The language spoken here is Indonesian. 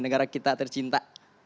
negara kita tercinta